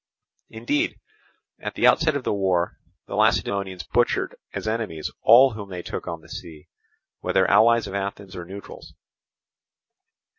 Indeed, at the outset of the war, the Lacedaemonians butchered as enemies all whom they took on the sea, whether allies of Athens or neutrals.